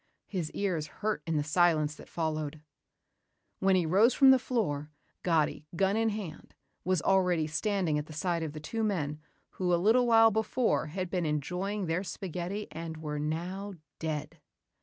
His ears hurt in the silence that followed. When he rose from the floor Gatti, gun in hand, was already standing at the side of the two men who a little while before had been enjoying their spaghetti and were now dead.